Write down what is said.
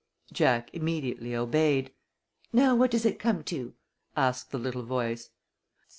Jack immediately obeyed. "Now what does it come to?" asked the little voice.